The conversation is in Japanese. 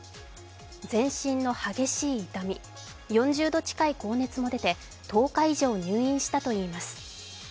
全身の激しい痛み、４０度近い高熱も出て１０日以上入院したといいます。